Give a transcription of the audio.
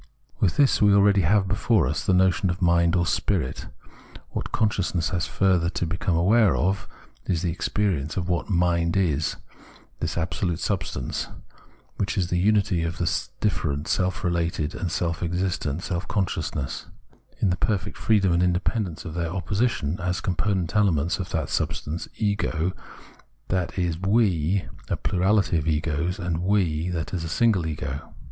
With this we already have before us the notion of Mind or Spirit. What consciousness has further to become aware of, is the experience of what mind is, this absolute substance, which is the unity of the different self related and self existent self con sciousnesses, in the perfect freedom and independence of their opposition as component elements of that sub stance : Ego that is " we," a plurality of Egos, and " we " that is a single Ego.